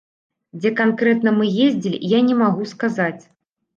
Дзе канкрэтна мы ездзілі, я не магу сказаць.